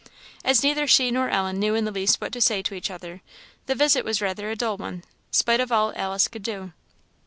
As neither she nor Ellen knew in the least what to say to each other, the visit was rather a dull one, spite of all Alice could do.